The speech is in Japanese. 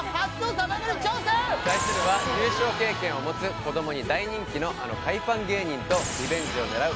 さあ今夜はに挑戦対するは優勝経験を持つ子どもに大人気のあの海パン芸人とリベンジを狙う